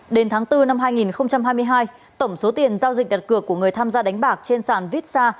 đến tháng bốn năm hai nghìn hai mươi hai tổng số tiền giao dịch đặt cược của người tham gia đánh bạc trên sàn vitsa